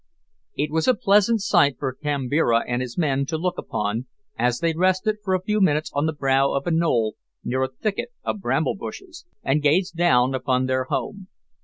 It was a pleasant sight for Kambira and his men to look upon, as they rested for a few minutes on the brow of a knoll near a thicket of bramble bushes, and gazed down upon their home.